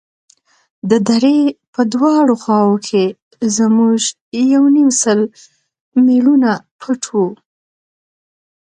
د درې په دواړو خواوو کښې زموږ يو يونيم سل مېړونه پټ وو.